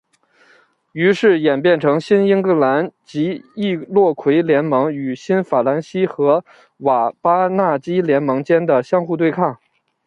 于是演变成新英格兰及易洛魁联盟与新法兰西和瓦巴纳基联盟间的相互对抗。